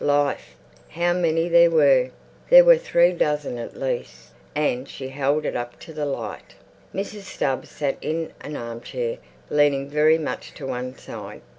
Life! How many there were! There were three dozzing at least. And she held it up to the light. Mrs. Stubbs sat in an arm chair, leaning very much to one side.